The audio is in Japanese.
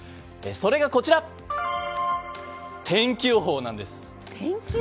それが、天気予報なんです。